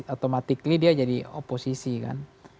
automatik dia jadi oposisi kan